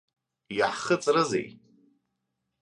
Иаҳхыҵрызеи?